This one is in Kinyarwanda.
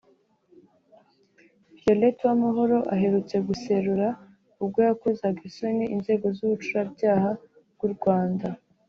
Violette Uwamahoro aherutse guserura ubwo yakozaga isoni inzego z’ubucurabyaha bw’u Rwanda